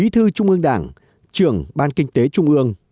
trưởng ban kinh tế trung ương